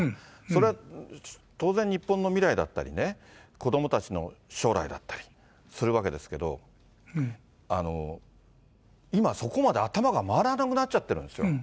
それは当然、日本の未来だったりね、子どもたちの将来だったリするわけですけど、今、そこまで頭が回らなくなっちゃってるんですよ。